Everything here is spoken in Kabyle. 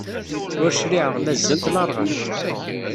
Ur cliɛeɣ la zzant la rɣant.